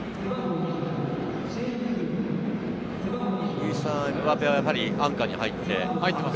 イーサン・エムバペはアンカーに入ってますね。